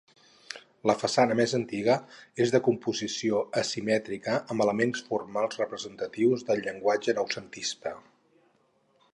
La façana més antiga és de composició asimètrica, amb elements formals representatius del llenguatge noucentista.